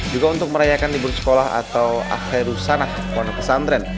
juga untuk merayakan libur sekolah atau akhiru sanak pondok pesantren